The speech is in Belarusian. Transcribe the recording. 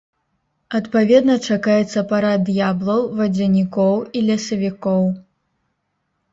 Адпаведна чакаецца парад д'яблаў, вадзянікоў і лесавікоў.